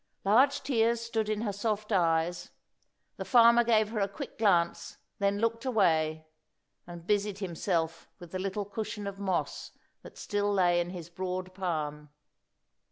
Large tears stood in her soft eyes. The farmer gave her a quick glance, then looked away, and busied himself with the little cushion of moss that still lay in his broad palm.